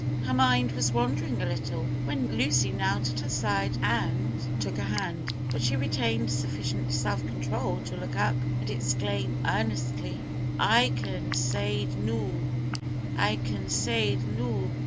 Her mind was wandering a little when Lucy knelt at her side and took her hand, but she retained sufficient self control to look up and exclaim earnestly, "I can say'd noo I can say'd noo!